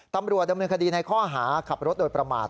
ตำรวจดำเนินคดีในข้อหาขับรถโดยประมาท